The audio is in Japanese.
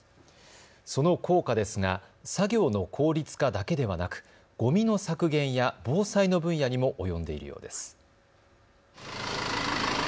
その効果ですが作業の効率化だけではなくゴミの削減や防災の分野にも及んでいるようです。